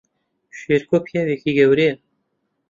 شێرکۆ پیاوێکی گەورەیە